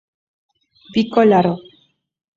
Pico largo.